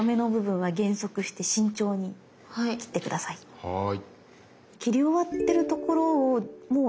はい。